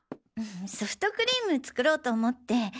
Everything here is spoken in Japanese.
ソフトクリーム作ろうと思って。